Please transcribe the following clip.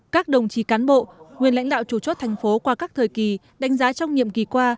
các đồng chí cán bộ nguyên lãnh đạo chủ chốt thành phố qua các thời kỳ đánh giá trong nhiệm kỳ qua